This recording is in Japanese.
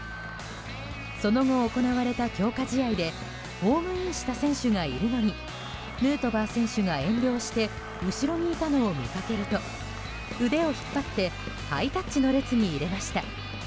その後行われた強化試合でホームインした選手がいるのにヌートバー選手が遠慮をして後ろにいたのを見かけると腕を引っ張ってハイタッチの列に入れました。